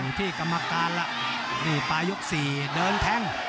ที่กรรมการแล้วนี่ปลายก๔เดินแทง